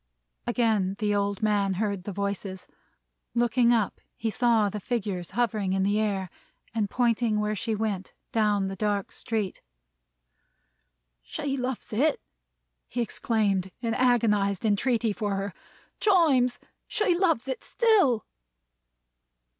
Again the old man heard the voices. Looking up, he saw the figures hovering in the air, and pointing where she went, down the dark street. "She loves it!" he exclaimed in agonized entreaty for her. "Chimes! she loves it still!"